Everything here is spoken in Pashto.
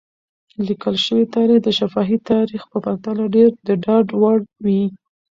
لیکل شوی تاریخ د شفاهي تاریخ په پرتله ډېر د ډاډ وړ وي.